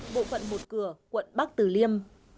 bộ phận một cửa quận bắc tử liêm